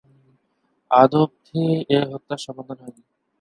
অদ্যাবধি এ হত্যার সমাধান হয়নি।